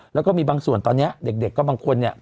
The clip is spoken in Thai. แล้วก็มีบางส่วนตอนนี้เด็กก็บางคนเนี่ย